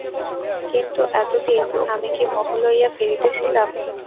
কিন্তু এতদিন আমি কী মোহ লইয়া ফিরিতেছিলাম!